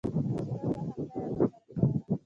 مستو به همدا یوه خبره کوله.